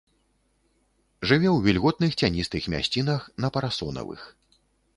Жыве ў вільготных цяністых мясцінах на парасонавых.